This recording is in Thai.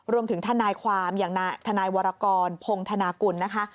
รวมถึงท่านายความอย่างท่านายวรากรพงธนากุลนะคะ